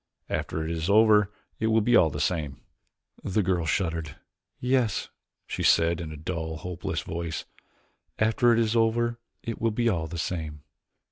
After it is over it will be all the same." The girl shuddered. "Yes," she said in a dull, hopeless voice, "after it is over it will be all the same."